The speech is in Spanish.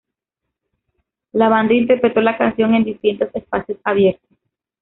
La banda interpretó la canción en distintos espacios abiertos.